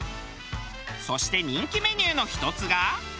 そして人気メニューの１つが。